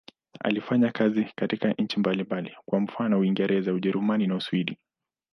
Alifanya kazi katika nchi mbalimbali, kwa mfano Uingereza, Ujerumani na Uswidi.